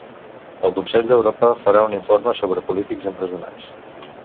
El Consell d'Europa farà un informe sobre polítics empresonats